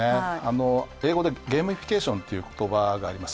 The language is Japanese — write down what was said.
英語でゲーミフィケーションっていうことばがあります。